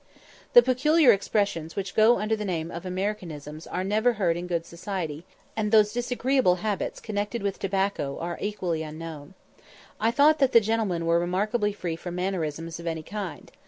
The peculiar expressions which go under the name of Americanisms are never heard in good society, and those disagreeable habits connected with tobacco are equally unknown. I thought that the gentlemen were remarkably free from mannerisms of any kind.